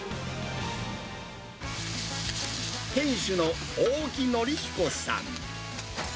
店主の大木範彦さん。